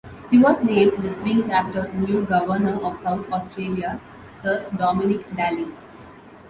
Stuart named the springs after the new Governor of South Australia, Sir Dominick Daly.